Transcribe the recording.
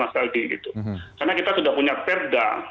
karena kita sudah punya perda